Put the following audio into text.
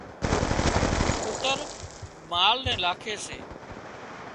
ڪُتر مال نين لاکي سي